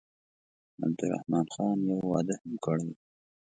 عبدالرحمن خان یو واده هم کړی وو.